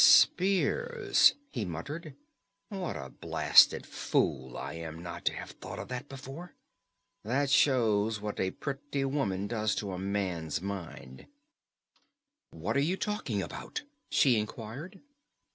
"Spears!" he muttered. "What a blasted fool I am not to have thought of that before! That shows what a pretty woman does to a man's mind." "What are you talking about?" she inquired.